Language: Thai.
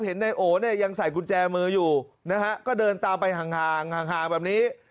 เห็นนายโอ้ยังใส่กุญแจมืออยู่ก็เดินตามไปห่างแบบนี้